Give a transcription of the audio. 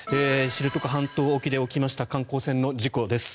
知床半島沖で起きました観光船の事故です。